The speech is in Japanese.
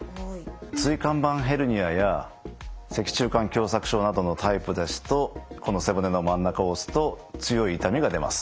椎間板ヘルニアや脊柱管狭窄症などのタイプですとこの背骨の真ん中を押すと強い痛みが出ます。